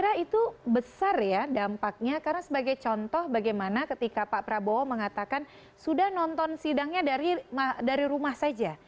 saya kira itu besar ya dampaknya karena sebagai contoh bagaimana ketika pak prabowo mengatakan sudah nonton sidangnya dari rumah saja